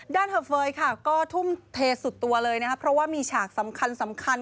เหอะเฟย์ค่ะก็ทุ่มเทสุดตัวเลยนะครับเพราะว่ามีฉากสำคัญสำคัญ